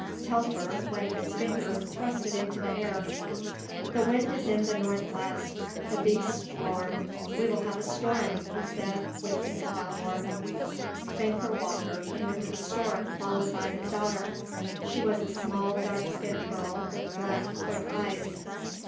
Telfer, wetting his finger, thrust it into the air. "The wind is in the north west; the beasts roar; we will have a storm," he said, winking at Valmore. Banker Walker came into the store, followed by his daughter. She was a small, dark skinned girl with black, quick eyes.